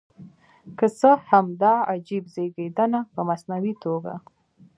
که څه هم دا عجیب زېږېدنه په مصنوعي توګه.